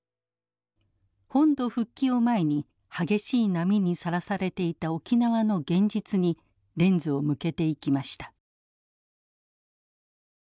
本土復帰を前に激しい波にさらされていた沖縄の現実にレンズを向けていきました。